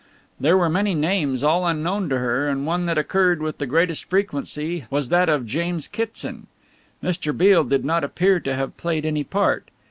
There were many names all unknown to her and one that occurred with the greatest frequency was that of James Kitson. Mr. Beale did not appear to have played any part.